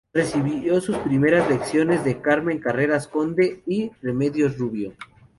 Recibió sus primeras lecciones de Carmen Carreras Conte y de Remedios Rubio.